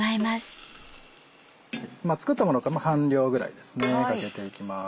作ったもの半量ぐらいですねかけていきます。